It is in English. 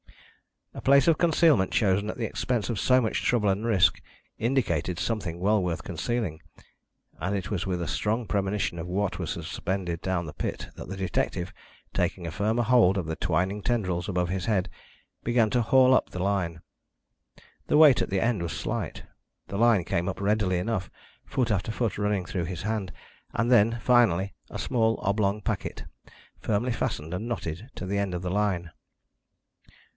A place of concealment chosen at the expense of so much trouble and risk indicated something well worth concealing, and it was with a strong premonition of what was suspended down the pit that the detective, taking a firmer hold of the twining tendrils above his head, began to haul up the line. The weight at the end was slight; the line came up readily enough, foot after foot running through his hand, and then, finally, a small oblong packet, firmly fastened and knotted to the end of the line.